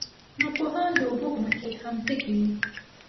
ناپوهان د اوبو په منځ کې هم تږي وي.